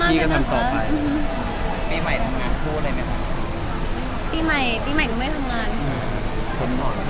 ปีใหม่งั้ยไม่ทำงานค่ะ